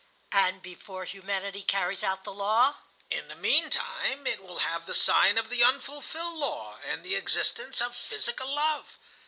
"And before Humanity carries out the law?" "In the meantime it will have the sign of the unfulfilled law, and the existence of physical love.